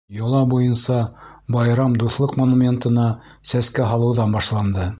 Йола буйынса, байрам Дуҫлыҡ монументына сәскә һалыуҙан башланды.